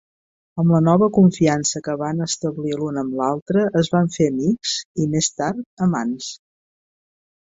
Amb la nova confiança que van establir l'un amb l'altre, es van fer amics i, més tard, amants.